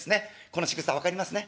このしぐさ分かりますね？